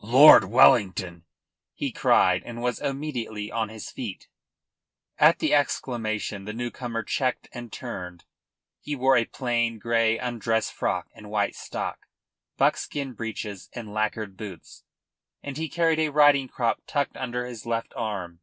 "Lord Wellington!" he cried, and was immediately on his feet. At the exclamation the new comer checked and turned. He wore a plain grey undress frock and white stock, buckskin breeches and lacquered boots, and he carried a riding crop tucked under his left arm.